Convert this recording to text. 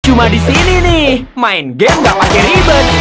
cuma disini nih main game gak pake ribet